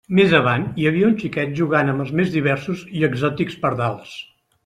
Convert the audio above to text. Més avant hi havia uns xiquets jugant amb els més diversos i exòtics pardals.